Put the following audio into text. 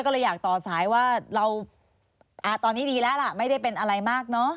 ก็เลยอยากต่อสายว่าเราตอนนี้ดีแล้วล่ะไม่ได้เป็นอะไรมากเนอะ